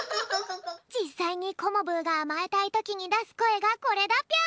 じっさいにコモブーがあまえたいときにだすこえがこれだぴょん。